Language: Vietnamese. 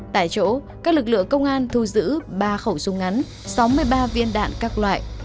tại chỗ các lực lượng công an thu giữ ba khẩu súng ngắn sáu mươi ba viên đạn các loại